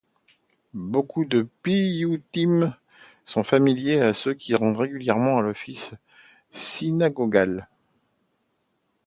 Beaucoup de piyyoutim sont familiers à ceux qui se rendent régulièrement à l'office synagogal.